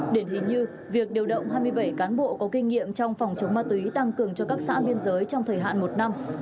điển hình như việc điều động hai mươi bảy cán bộ có kinh nghiệm trong phòng chống ma túy tăng cường cho các xã biên giới trong thời hạn một năm